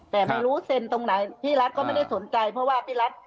แต่ไม่รู้เซ็นตรงไหนพี่รัฐก็ไม่ได้สนใจเพราะว่าพี่รัฐ